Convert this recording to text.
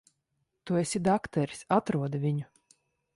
Tu esi dakteris. Atrodi viņu.